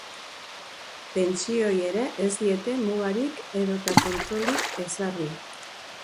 Pentsioei ere ez diete mugarik edota kontrolik ezarri.